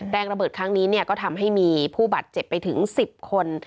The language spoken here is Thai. ระเบิดครั้งนี้ก็ทำให้มีผู้บาดเจ็บไปถึง๑๐คน